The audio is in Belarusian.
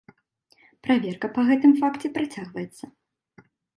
Праверка па гэтым факце працягваецца.